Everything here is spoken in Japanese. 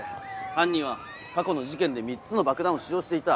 犯人は過去の事件で３つの爆弾を使用していた。